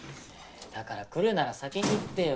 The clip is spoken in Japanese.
だから来るなら先に言ってよ。